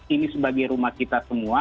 ini sebagai rumah kita semua